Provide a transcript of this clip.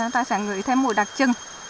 nó sẽ ngửi thêm mùi đặc trưng